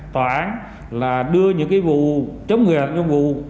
tòa án là đưa những cái vụ chống người thi hành công vụ